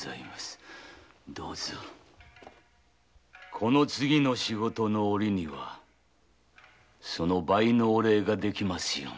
この次の仕事の折にはその倍のお礼が出来ますようにと。